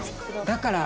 だから。